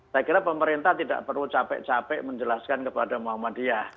saya kira pemerintah tidak perlu capek capek menjelaskan kepada muhammadiyah